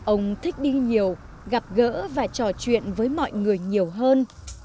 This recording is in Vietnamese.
ông thích đi nhiều gặp gỡ và trò chuyện với mọi người nhiều hơn